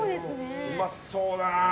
うまそうだな。